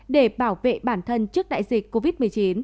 để bảo vệ bản thân trước đại dịch covid một mươi chín